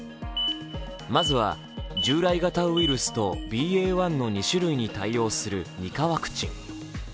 まずは従来型ウイルスとＢＡ．１の２種類に対応する２価ワクチン。